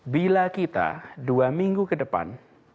bila kita dua minggu ke depan